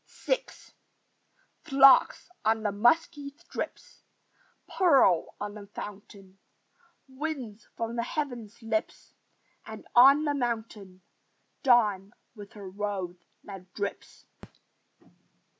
VI Flocks on the musky strips; Pearl on the fountain: Winds from the heavens' lips; And, on the mountain, Dawn with her rose that drips.